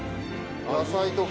野菜とか。